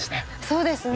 そうですよ！